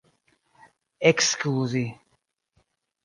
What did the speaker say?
ekskuzi